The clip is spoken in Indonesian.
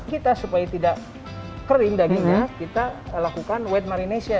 kita supaya tidak kering dagingnya kita lakukan wet marination